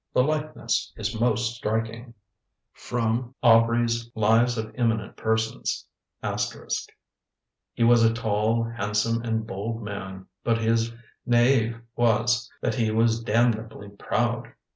The likeness is most striking." [Sidenote: Aubrey's Lives of Eminent Persons. *] "He was a tall, handsome, and bold man; but his næve was, that he was damnably proud....